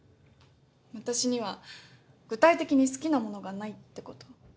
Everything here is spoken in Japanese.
私には具体的に好きなものがないってこと。